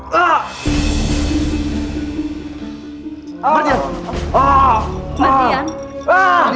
kamu kan harus sedih